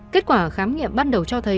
kết quả khám nghiệm ban đầu cho thấy